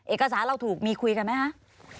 เอกสารเราถูกมีคุยกันไหมคะ